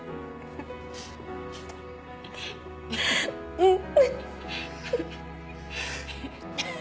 うん。